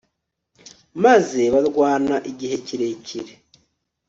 maze barwana igihe kirekire